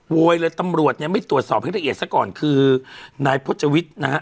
โวยเลยตำรวจเนี่ยไม่ตรวจสอบให้ละเอียดซะก่อนคือนายพจวิทย์นะฮะ